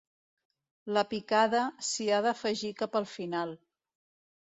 La picada s’hi ha d’afegir cap al final.